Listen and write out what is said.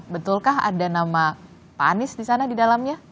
betulkah ada nama pak anies di sana di dalamnya